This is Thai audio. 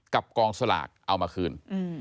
กองสลากเอามาคืน